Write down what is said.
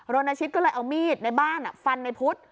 โรนชิตก็เลยเอามีดในบ้านอ่ะฟันนายพุธ